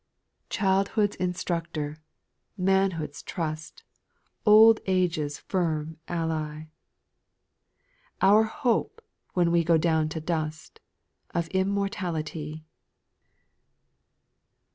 6. Childhood's instructor, manhood's trust, Old age's firm ally, 216 SPIRITUAL SONGS. Our hope, when we go down to dust, Of immortality.